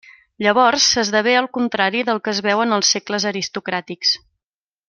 Llavors s'esdevé el contrari del que es veu en els segles aristocràtics.